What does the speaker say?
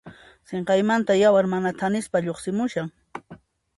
Sinqaymanta yawar mana thanispa lluqsimushan.